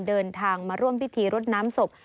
เดินทางมาร่วมพิธีรดน้ำศพ